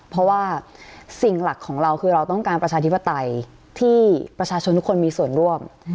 เพราะว่าสิ่งหลักของเราคือเราต้องการประชาธิปไตยที่ประชาชนทุกคนมีส่วนร่วม